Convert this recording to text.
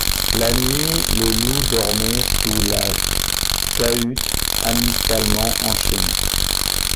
La nuit, le loup dormait sous la cahute, amicalement enchaîné.